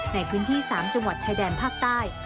ในพื้นที่๓จังหวัดชายแดนภาคใต้